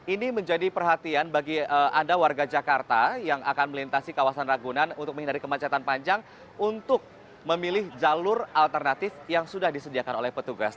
ini menjadi perhatian bagi anda warga jakarta yang akan melintasi kawasan ragunan untuk menghindari kemacetan panjang untuk memilih jalur alternatif yang sudah disediakan oleh petugas